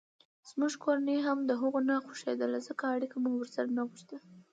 زموږ کورنۍ هم دهغو نه خوښېدله ځکه اړیکه مو ورسره نه غوښته.